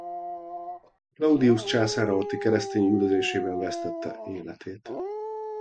Claudius császár alatti keresztény üldözében vesztette életét.